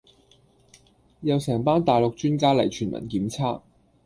又成班大陸專家嚟全民檢測